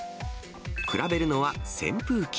比べるのは扇風機。